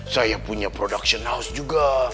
saya punya production house juga